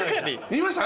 見ました？